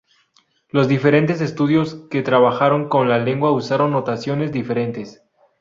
Los diferentes estudiosos que trabajaron con la lengua usaron notaciones diferentes.